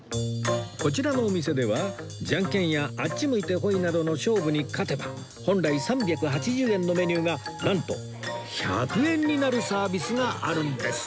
こちらのお店ではじゃんけんやあっち向いてホイなどの勝負に勝てば本来３８０円のメニューがなんと１００円になるサービスがあるんです